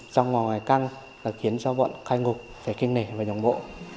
giam ngò ngoài căng và khiến cho bọn khai ngục phải kinh nể vào nhóm bộ